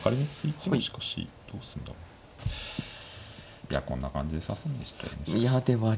いやこんな感じで指すんでしたよねしかし。